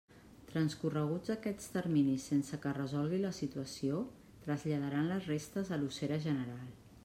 Transcorreguts aquests terminis sense que resolgui la situació, traslladaran les restes a l'ossera general.